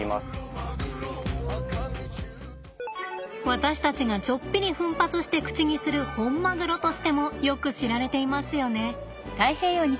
私たちがちょっぴり奮発して口にするホンマグロとしてもよく知られていますよね。